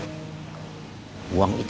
atau untuk bapak